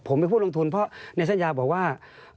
ผมเป็นผู้ลงทุนเพราะในสัญญาบอกว่า